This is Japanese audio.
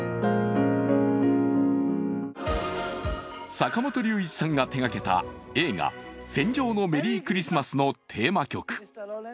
坂本龍一さんが手がけた映画「戦場のメリークリスマス」のテーマ曲。